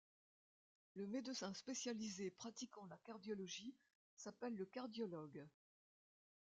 Le médecin spécialisé pratiquant la cardiologie s'appelle le cardiologue.